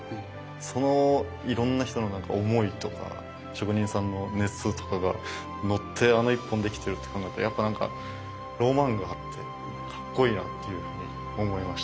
そのいろんな人の思いとか職人さんの熱とかがのってあの一本できてるって考えるとやっぱなんかロマンがあってかっこいいなというふうに思いました。